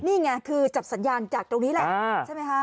นี่ไงคือจับสัญญาณจากตรงนี้แหละใช่ไหมคะ